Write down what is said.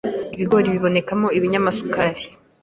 ibigori bibonekamo ibinyamasukari,